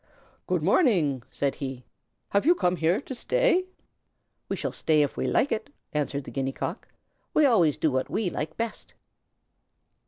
"Good morning," said he. "Have you come here to stay?" "We shall stay if we like it," answered the Guinea Cock. "We always do what we like best."